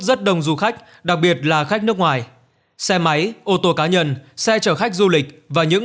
rất đông du khách đặc biệt là khách nước ngoài xe máy ô tô cá nhân xe chở khách du lịch và những